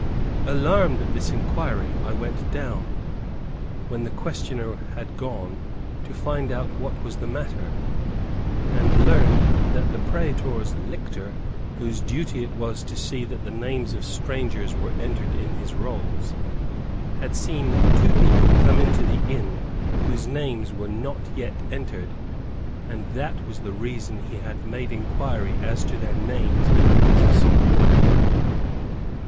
Alarmed at this inquiry, I went down, when the questioner had gone, to find out what was the matter, and learned that the praetor's lictor, whose duty it was to see that the names of strangers were entered in his rolls, had seen two people come into the inn, whose names were not yet entered, and that was the reason he had made inquiry as to their names and means of support.